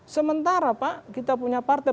sementara pak kita punya partai